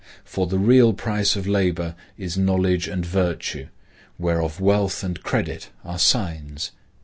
For the real price of labor is knowledge and virtue, whereof wealth and credit are signs.